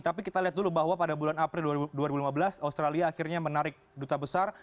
tapi kita lihat dulu bahwa pada bulan april dua ribu lima belas australia akhirnya menarik duta besar